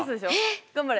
頑張れ。